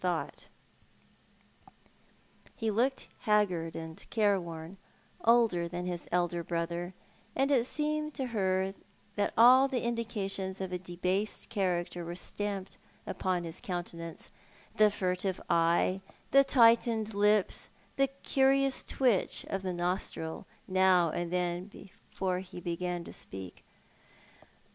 Home Questions. 263 He looked liacrgard and careworn, older than Lis elder brother, and it seemed to her that all the indications of a debased character were staraiied upon his countenance — the furtive eye, the tightened lips, the curious twitch of the nostril ziow and then before he began to speak.